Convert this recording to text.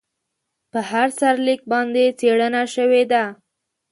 په هر سرلیک باندې څېړنه شوې ده.